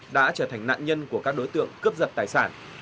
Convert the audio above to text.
đã trở thành nạn nhân của các đối tượng cướp giật tài sản